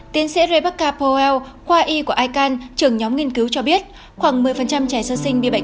tiến sĩ rebar powell khoa y của aikan trưởng nhóm nghiên cứu cho biết khoảng một mươi trẻ sơ sinh bị bệnh